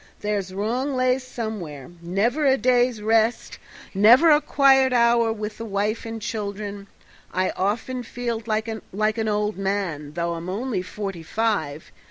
There's wrong lays somewhere never a day's rest, never a quiet hour with the wife and children. I often feel like an old man, though I'm only forty five.